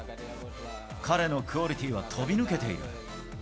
彼のクオリティーは飛び抜けている。